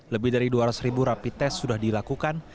lebih dari dua ratus rapid test sudah dilakukan